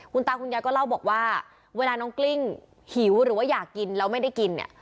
คุณตาคุณยายก็เล่าบอกว่าเวลาน้องกลิ้งหิวหรือว่าอยากกินแล้วไม่ได้กินเนี่ย